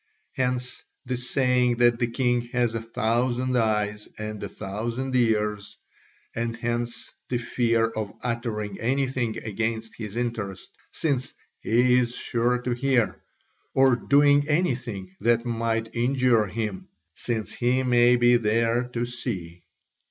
Hence the saying that the king has a thousand eyes and a thousand ears; and hence the fear of uttering anything against his interest since "he is sure to hear," or doing anything that might injure him "since he may be there to see."